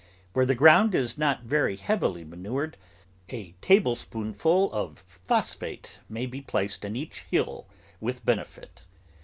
Where the ground is not very heavily manured, a tablespoonful of phosphate may be placed in each hill with benefit.